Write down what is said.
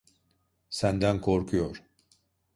Senden korkuyor.